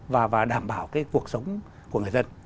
và đảm bảo cái cuộc sống của người dân